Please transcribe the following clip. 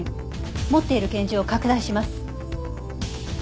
持っている拳銃を拡大します。